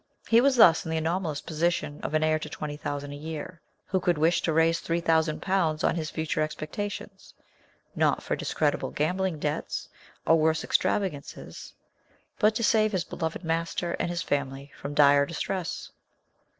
He was thus in the anomalous position of an heir to twenty thousand a year, who could wish to raise three thousand pounds on his future expectations, not for discreditable gambling debts, or worse extravagances, but to save his beloved master and his family from dire distress.